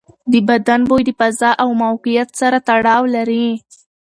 د بدن بوی د فضا او موقعیت سره تړاو لري.